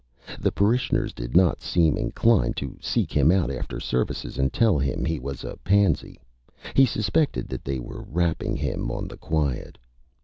The Parishioners did not seem inclined to seek him out after services and tell him he was a Pansy. He suspected that they were Rapping him on the Quiet.